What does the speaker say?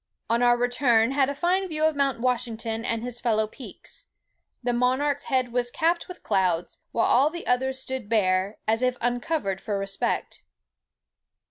On our return had a fine view of Mount Washington and his fellow peaks. The monarch's head was capp'd with clouds, while all the others stood bare, as if uncovered for respect."